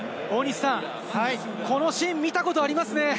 過去２大会でこのシーン、見たことありますね。